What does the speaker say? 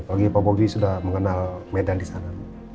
bagi pak bobi sudah mengenal medan di sana